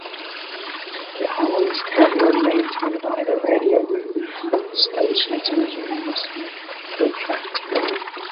The island is currently maintained by the radio stations' engineers and contractors.